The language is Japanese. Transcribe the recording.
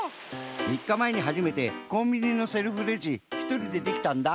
みっかまえにはじめてコンビニのセルフレジひとりでできたんだ！